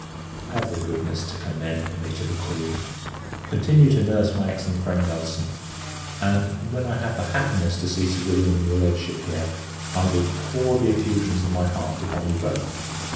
Have the goodness to commend me to the Queen; continue to nurse my excellent friend, Nelson; and, when I have the happiness to see Sir William and your Ladyship here, I will pour the effusions of my heart upon you both.